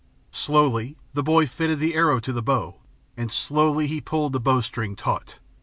Slowly the boy fitted the arrow to the bow, and slowly he pulled the bowstring taut.